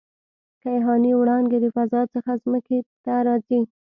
کیهاني وړانګې د فضا څخه ځمکې ته راځي.